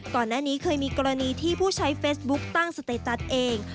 ก่อนหน้านี้เคยมีกรณีที่ผู้ใช้เฟซบุ๊คตั้งสเตตัสเอง